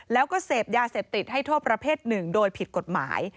แล้วก็เสพยาเสพติดให้โทษประเภทหนึ่งโดยผิดกฎหมาย